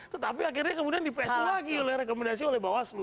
tetapi akhirnya kemudian di psi lagi oleh rekomendasi oleh bawaslu